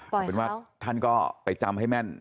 เพราะว่าท่านก็ไปจำให้แม่น